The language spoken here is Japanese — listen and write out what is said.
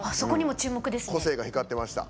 個性が光ってました。